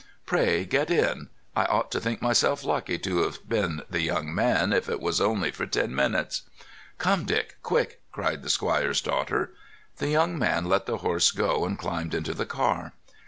Pray get in. I ought to think myself lucky to have been the young man, if it was only for ten minutes." "Come, Dick—quick!" cried the squire's daughter. The young man let the horse go and climbed into the car.